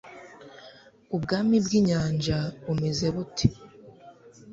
ubwami bw'inyanja bumeze bute